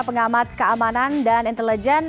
pengamat keamanan dan sdi